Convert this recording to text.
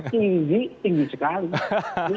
tinggi tinggi sekali